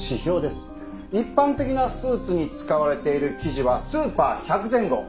一般的なスーツに使われている生地はスーパー１００前後。